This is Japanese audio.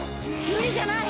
無理じゃない。